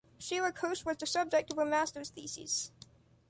Sarah Kirsch was the subject of her master's thesis.